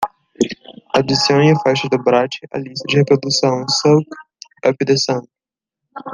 Adicione a faixa da brat à lista de reprodução Soak Up The Sun.